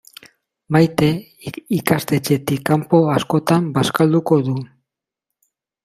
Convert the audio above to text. Maite ikastetxetik kanpo askotan bazkalduko du.